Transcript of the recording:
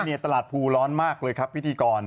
ตลาดภูร้อนมากเลยครับพิธีกร